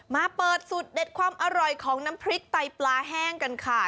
มาเปิดสูตรเด็ดความอร่อยของน้ำพริกไตปลาแห้งกันค่ะ